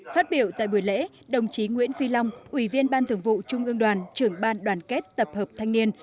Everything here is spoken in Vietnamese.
phát biểu tại buổi lễ đồng chí nguyễn phi long ủy viên ban thường vụ trung ương đoàn trưởng ban đoàn kết tập hợp thanh niên